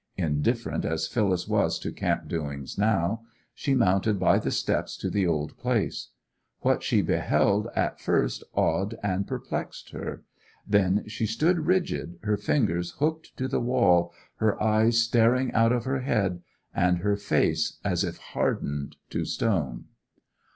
Indifferent as Phyllis was to camp doings now, she mounted by the steps to the old place. What she beheld at first awed and perplexed her; then she stood rigid, her fingers hooked to the wall, her eyes staring out of her head, and her face as if hardened to stone.